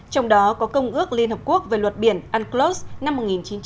trong đó có công ước liên hợp quốc về luật biển unclos năm một nghìn chín trăm tám mươi hai